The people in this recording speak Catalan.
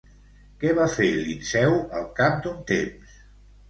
Què va fer Linceu al cap d'un temps?